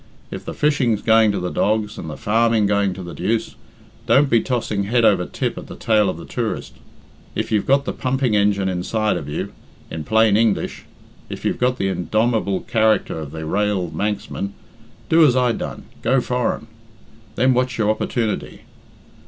If the fishing's going to the dogs and the farming going to the deuce, don't be tossing head over tip at the tail of the tourist. If you've got the pumping engine inside of you, in plain English, if you've got the indomable character of the rael Manxman, do as I done go foreign. Then watch your opportunity.